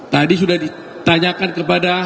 tadi sudah ditanyakan kepada